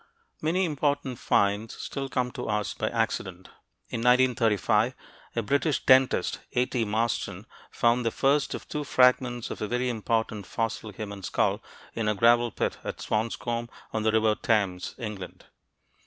Many important finds still come to us by accident. In 1935, a British dentist, A. T. Marston, found the first of two fragments of a very important fossil human skull, in a gravel pit at Swanscombe, on the River Thames, England.